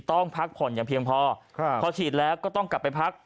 ต้องพักผ่อนอย่างเพียงพอพอฉีดแล้วก็ต้องกลับไปพัก